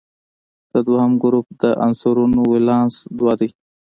د دویم ګروپ د عنصرونو ولانس دوه دی.